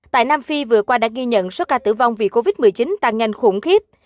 tại nam phi vừa qua đã ghi nhận số ca tử vong vì covid một mươi chín tăng nhanh khủng khiếp